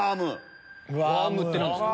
ワームって何ですか？